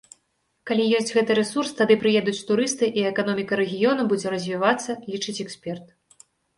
Калі ёсць гэты рэсурс, тады прыедуць турысты, і эканоміка рэгіёну будзе развівацца, лічыць эксперт.